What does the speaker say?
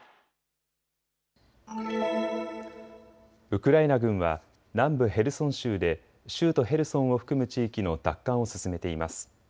ウクライナ軍は南部ヘルソン州で州都ヘルソンを含む地域の奪還を進めています。